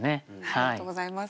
ありがとうございます。